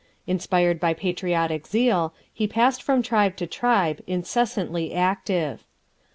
Inspired by patriotic zeal, he passed from tribe to tribe, incessantly active.